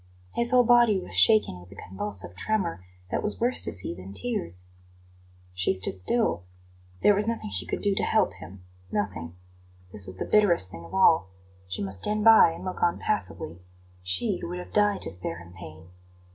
His whole body was shaken with a convulsive tremor that was worse to see than tears. She stood still. There was nothing she could do to help him nothing. This was the bitterest thing of all. She must stand by and look on passively she who would have died to spare him pain.